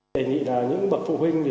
đề nghị là những bậc phụ huynh